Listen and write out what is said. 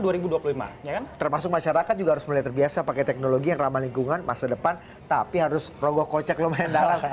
termasuk masyarakat juga harus mulai terbiasa pakai teknologi yang ramah lingkungan masa depan tapi harus rogoh kocek lumayan dalam